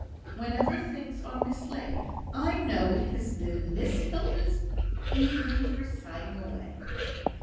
Whenever things are mislaid, I know it has been Miss Hilton's evening for siding away!"